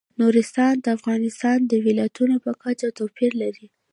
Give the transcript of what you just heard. نورستان د افغانستان د ولایاتو په کچه توپیر لري.